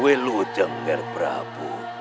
welu janger prabu